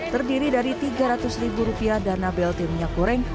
terdiri dari tiga ratus ribu rupiah dana blt minyak goreng